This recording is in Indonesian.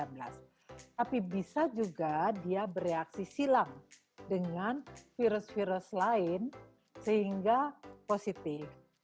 tapi bisa juga dia bereaksi silang dengan virus virus lain sehingga positif